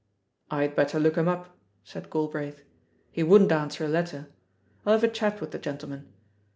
, "I'd better look him up," said Galbraith; *lie wouldn't answer a letter. I'U have a chat with the gentleman.